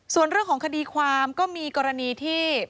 ส่วนเรื่องของคดีความก็มีกรณีที่